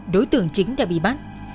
đối tượng chính đã bị bắt